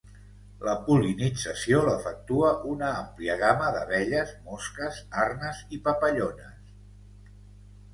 La pol·linització l'efectua una àmplia gamma d'abelles, mosques, arnes i papallones.